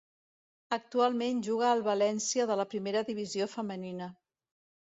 Actualment juga al València de la Primera divisió Femenina.